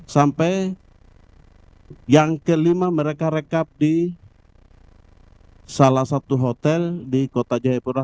sampai yang kelima mereka rekap di salah satu hotel di kota jayapura